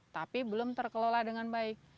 tapi belum terkelola dengan baik